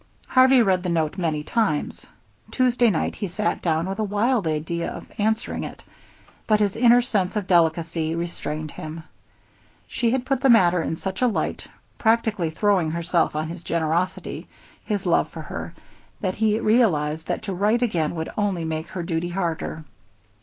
Harvey read the note many times. Tuesday night he sat down with a wild idea of answering it, but his inner sense of delicacy restrained him. She had put the matter in such a light, practically throwing herself on his generosity, his love for her, that he realized that to write again would only make her duty harder.